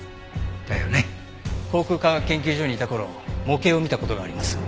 航空科学研究所にいた頃模型を見た事があります。